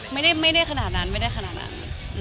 ไม่ได้ขนาดนั้นไม่ได้ขนาดนั้น